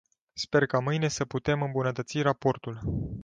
Sper ca mâine să putem îmbunătăți raportul.